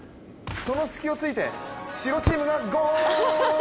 その隙を突いて、白チームがゴール！